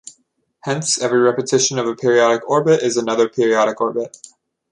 Hence, every repetition of a periodic orbit is another periodic orbit.